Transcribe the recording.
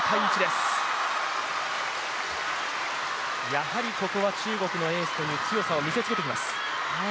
やはりここは中国のエースという強さを見せつけてきます。